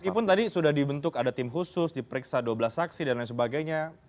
meskipun tadi sudah dibentuk ada tim khusus diperiksa dua belas saksi dan lain sebagainya